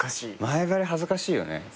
前貼り恥ずかしいよね。